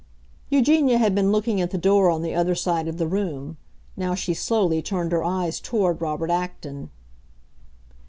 Eugenia had been looking at the door on the other side of the room; now she slowly turned her eyes toward Robert Acton.